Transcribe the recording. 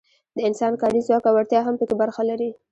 د انسان کاري ځواک او وړتیا هم پکې برخه لري.